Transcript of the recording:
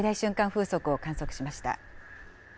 風速を観測しました。